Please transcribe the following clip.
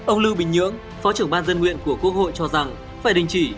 ông lưu bình nhưỡng phó trưởng ban dân nguyện của quốc hội cho rằng phải đình chỉ